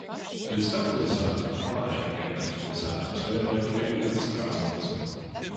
Līdz tam pilsētu ar pārējām Vjetnamas pilsētām savienoja tikai ūdens transports.